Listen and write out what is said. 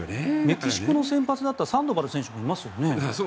メキシコの先発だったサンドバル選手もいますよね。